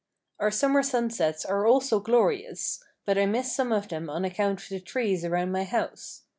Our summer sunsets are also glorious, but I miss some of them on account of the trees around my house.